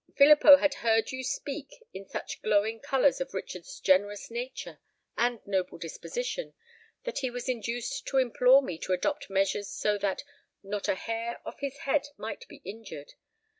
Filippo had heard you speak in such glowing colours of Richard's generous nature and noble disposition, that he was induced to implore me to adopt measures so that not a hair of his head might be injured.